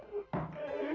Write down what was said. aku sudah berjalan